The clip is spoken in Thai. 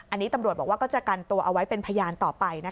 อันนี้ตำรวจบอกว่าก็จะกันตัวเอาไว้เป็นพยานต่อไปนะคะ